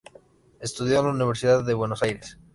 Estudió en la Universidad de Buenos Aires.